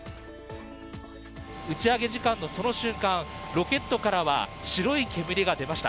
打ち上げ時間のその瞬間、ロケットからは白い煙が出ました。